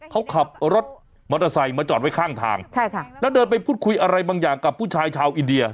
เขาขับรถมอเตอร์ไซค์มาจอดไว้ข้างทางใช่ค่ะแล้วเดินไปพูดคุยอะไรบางอย่างกับผู้ชายชาวอินเดีย